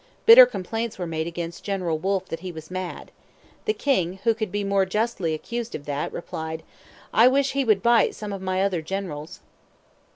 Bitter complaints were made against General Wolfe that he was mad. The king, who could be more justly accused of that, replied: 'I wish he would bite some of my other generals.'"